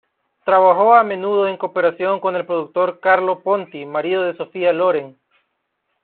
Trabajó a menudo en cooperación con el productor Carlo Ponti, marido de Sophia Loren.